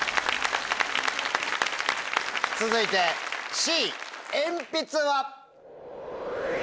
続いてＣ「鉛筆」は。